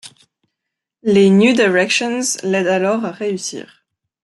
Les New Directions l'aident alors à réussir.